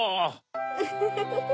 ウフフフ。